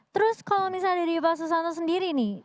terus kalau misalnya dari pak susanto sendiri nih